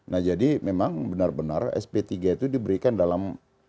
nah jadi memang benar benar sp tiga itu diberikan dalam